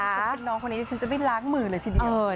ถ้าชิดเป็นน้องคนนี้ฉันจะไม่รักหมื่นเลยทีเดียว